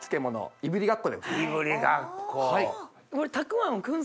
いぶりがっこ。